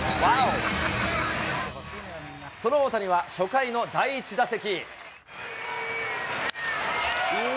その大谷は初回の第１打席。